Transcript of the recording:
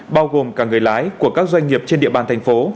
bao gồm cả người lái của các doanh nghiệp trên địa bàn thành phố